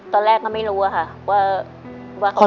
ตอนแรกก็ไม่รู้อะค่ะว่า